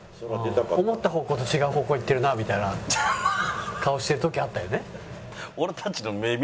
思った方向と違う方向にいってるなみたいな顔してる時あったよね。